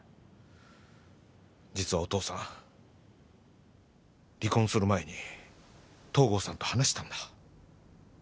実はお父さん離婚する前に東郷さんと話したんだ